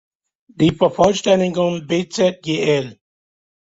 Die Vervollständigung bzgl.